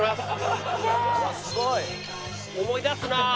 思い出すなあ。